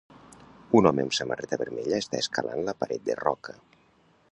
Un home amb samarreta vermella està escalant la paret de roca.